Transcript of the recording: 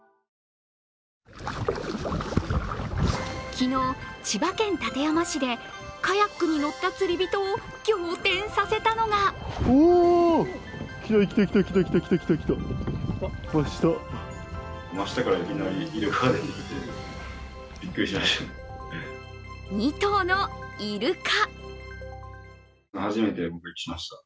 昨日、千葉県館山市でカヤックに乗った釣り人を仰天させたのが２頭のイルカ。